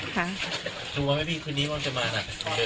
ถูกว่าไม่มีคืนนี้มันจะมาน่ะ